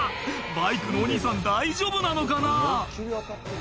バイクのお兄さん大丈夫なのかな？